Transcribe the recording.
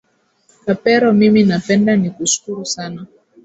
kapero mimi napenda nikushukuru sana